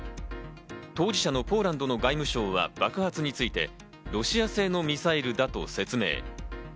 当事者のポーランドの外務省は爆発について、ロシア製のミサイルだと説明。